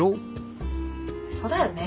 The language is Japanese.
そうだよね。